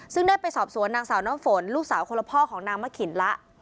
ซึ่งได้ไปสอบสวนนางสาวน้ำฝนลูกสาวคนละพ่อของนางมะขินแล้ว